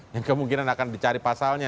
yang kemungkinan akan dicari pasalnya